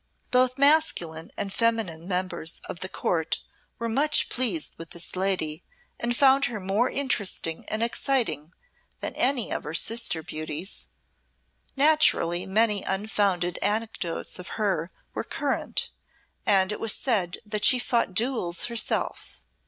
Both masculine and feminine members of the Court were much pleased with this lady and found her more interesting and exciting than any of her sister beauties. Naturally many unfounded anecdotes of her were current, and it was said that she fought duels herself.